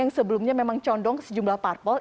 yang sebelumnya memang condong sejumlah parpol